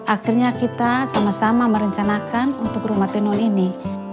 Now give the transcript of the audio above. akhirnya kita sama sama merencanakan untuk rumah tenun ini